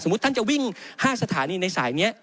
สมมุติท่านจะวิ่ง๕สถานีในสายเนี่ย